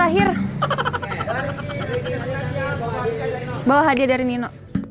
nanti ke sini lagi ya jangan lupa bawa hadiah dari nino